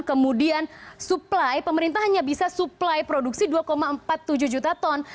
kemudian supply pemerintah hanya bisa supply produksi dua empat puluh tujuh juta ton